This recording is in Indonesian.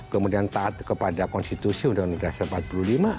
kemudian taat kepada konstitusi uud seribu sembilan ratus empat puluh lima